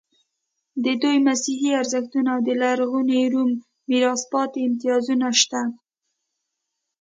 د دوی مسیحي ارزښتونه او د لرغوني روم میراث پاتې امتیازونه شته.